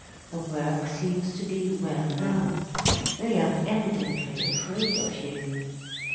The work seems to be well done. They are evidently afraid of you.